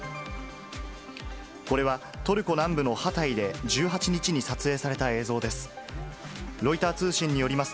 これは、トルコ南部のハタイで１８日に撮影された映像です。